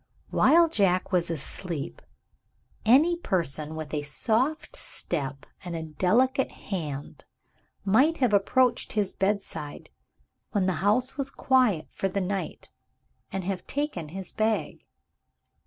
While Jack was asleep, any person, with a soft step and a delicate hand, might have approached his bedside, when the house was quiet for the night, and have taken his bag.